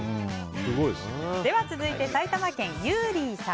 続いて埼玉県の方。